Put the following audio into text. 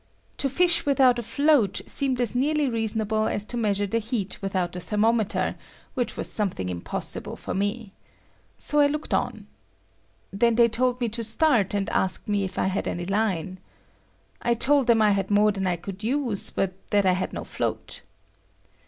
To fish without a float seemed as nearly reasonable as to measure the heat without a thermometer, which was something impossible for me. So I looked on. They then told me to start, and asked me if I had any line. I told them I had more than I could use, but that I had no float.